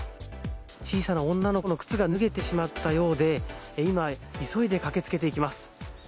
小さな女の子の靴が脱げてしまったようで今、急いで駆け付けていきます。